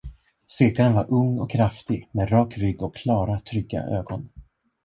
Segraren var ung och kraftig, med rak rygg och klara, trygga ögon.